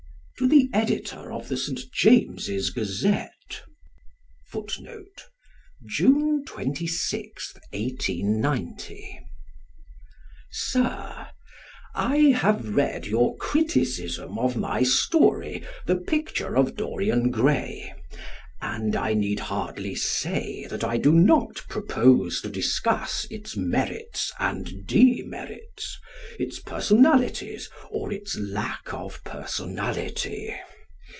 To the Editor of the St. James's Gazette. Sir, I have read your criticism of my story, "The Picture of Dorian Gray," and I need hardly say that I do not propose to discuss its merits and demerits, its personalities or its lack of personality.